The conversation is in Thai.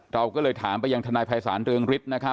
เราก็เลยถามไปยังทนายภัยสารเดิงฤทธิ์